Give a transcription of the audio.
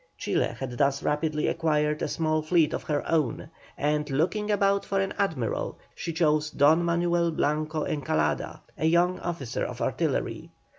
Chile had thus rapidly acquired a small fleet of her own, and, looking about for an admiral, she chose Don Manuel Blanco Encalada, a young officer of artillery.